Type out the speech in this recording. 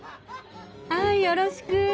はいよろしく。